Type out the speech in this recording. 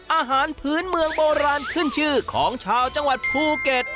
อาหารพื้นเมืองโบราณขึ้นชื่อของชาวจังหวัดภูเก็ต